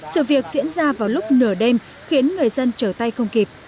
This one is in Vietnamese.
sự việc diễn ra vào lúc nửa đêm khiến người dân trở tay không kịp